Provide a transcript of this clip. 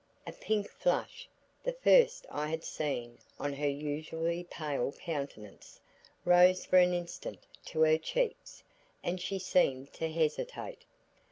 A pink flush, the first I had seen on her usually pale countenance, rose for an instant to her cheeks, and she seemed to hesitate.